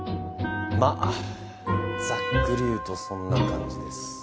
まあざっくり言うとそんな感じです。